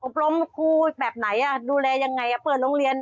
ล้มครูแบบไหนดูแลยังไงเปิดโรงเรียน